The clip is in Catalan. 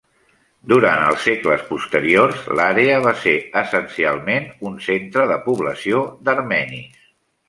Durant els segles posteriors, l'àrea va ser essencialment un centre de població d'armenis.